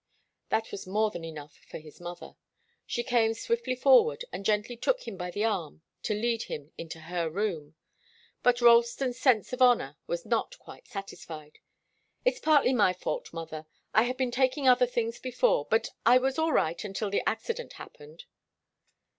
That was more than enough for his mother. She came swiftly forward, and gently took him by the arm to lead him into her room. But Ralston's sense of honour was not quite satisfied. "It's partly my fault, mother. I had been taking other things before, but I was all right until the accident happened."